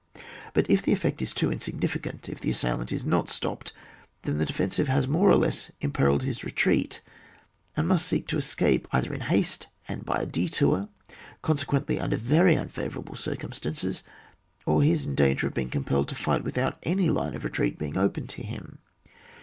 But if the effect is too insignificant, if the assailant is not stopped, then the defensive has more or less imperilled his retreat, and must seek to escape either in haste and by a detour — consequentiy xmder very unfavourable circumstances, or he is in danger of being compelled to fight without any line of retreat being open to him.